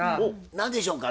何でしょうか？